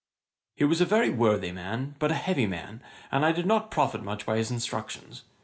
'He was a very worthy man, but a heavy man, and I did not profit much by his instructions.